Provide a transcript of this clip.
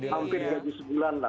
hampir gaji sebulan lah